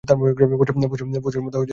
পশুর মতো মেরেছে ওকে।